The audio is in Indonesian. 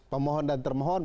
pemohon dan termohon